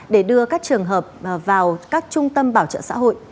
để đưa các trường hợp vào các trung tâm bảo trợ xã hội